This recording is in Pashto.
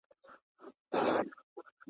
څوك به بېرته لوپټه د خور پر سر كي!